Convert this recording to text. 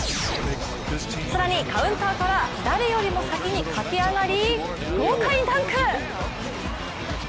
更にカウンターから誰よりも先に駆け上がり、豪快ダンク！